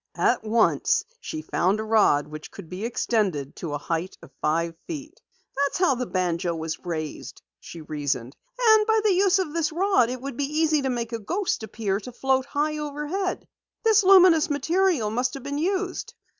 At once she found a rod which could be extended to a height of five feet. "That's how the banjo was raised!" she reasoned. "And by use of this rod it would be easy to make a ghost appear to float high overhead. This luminous material must have been used."